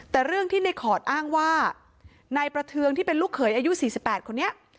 แต่เรื่องที่ในขอดอ้างว่านายประเทืองที่เป็นลูกเขยอายุ๔๘คนนี้